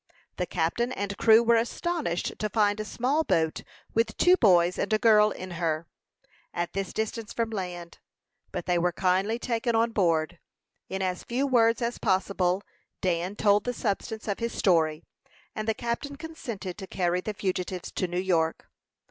The captain and crew were astonished to find a small boat, with two boys and a girl in her, at this distance from land; but they were kindly taken on board. In as few words as possible Dan told the substance of his story, and the captain consented to carry the fugitives to New York.